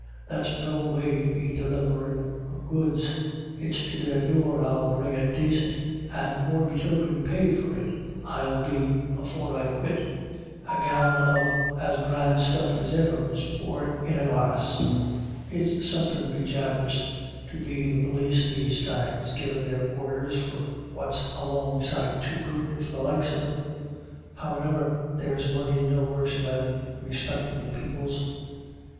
That's no way to be deliverin' of goods. It's to their door I'll bring it dacint, and morebetoken ped for it I'll be afore I quit A gallon of as grand stuff as iver was poured in a iaa IRISH IDYLLS. glass. It's somethin', bejabers, to be the p61is these times, givin' their orders for what's a long sight too good for the likes o' them. Howane'er, their money's no worser than respectable people's."